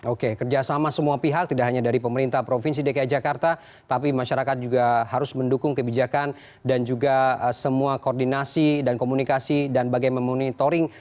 oke kerjasama semua pihak tidak hanya dari pemerintah provinsi dki jakarta tapi masyarakat juga harus mendukung kebijakan dan juga semua koordinasi dan komunikasi dan bagaimana memonitoring